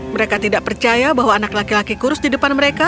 mereka tidak percaya bahwa anak laki laki kurus di depan mereka